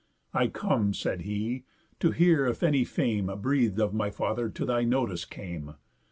"I come," said he, "to hear, if any fame Breath'd of my father to thy notice came.